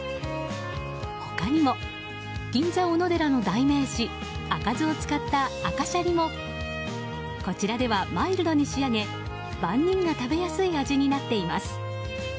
他にも銀座おのでらの代名詞赤酢を使った赤シャリもこちらではマイルドに仕上げ、万人が食べやすい味になっています。